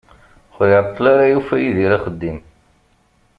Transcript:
Ur iεeṭṭel ara yufa Yidir axeddim.